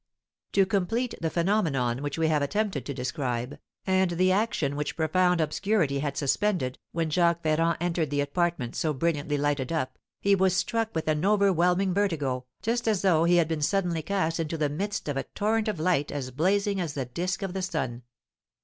To complete the phenomenon which we have attempted to describe, and the action which profound obscurity had suspended, when Jacques Ferrand entered the apartment so brilliantly lighted up, he was struck with an overwhelming vertigo, just as though he had been suddenly cast into the midst of a torrent of light as blazing as the disk of the sun.